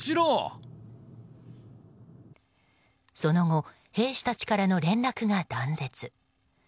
その後、兵士たちからの連絡が断絶。